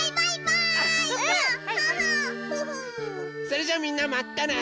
それじゃあみんなまたね！